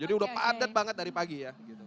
jadi udah padat banget dari pagi ya